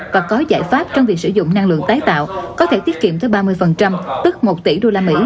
và có giải pháp trong việc sử dụng năng lượng tái tạo có thể tiết kiệm tới ba mươi tức một tỷ usd